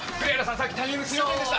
さっきタイミングすいませんでした。